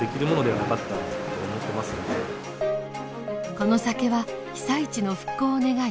この酒は被災地の復興を願い